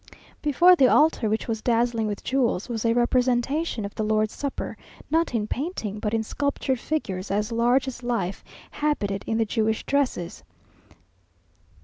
Before the altar, which was dazzling with jewels, was a representation of the Lord's Supper, not in painting, but in sculptured figures as large as life, habited in the Jewish dresses.